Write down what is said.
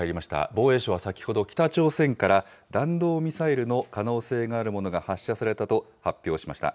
防衛省は先ほど、北朝鮮から弾道ミサイルの可能性があるものが発射されたと発表しました。